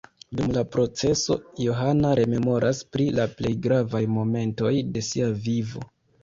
Dum la proceso, Johana rememoras pri la plej gravaj momentoj de sia vivo.